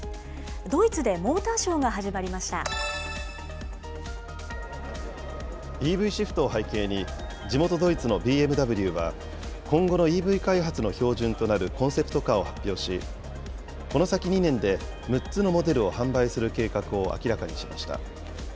ドイツでモーターショーが始まりＥＶシフトを背景に、地元ドイツのＢＭＷは、今後のＥＶ開発の標準となるコンセプトカーを発表し、この先２年で６つのモデルを販売する計画を明らかにしました。